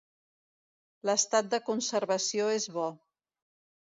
L'estat de conservació és bo.